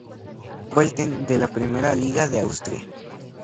Pölten de la Primera Liga de Austria.